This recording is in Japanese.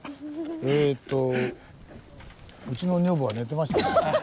ええとうちの女房は寝てましたね。